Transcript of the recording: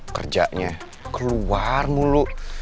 kerjanya keluar mulu